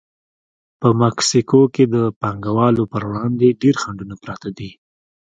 په مکسیکو کې د پانګوالو پر وړاندې ډېر خنډونه پراته دي.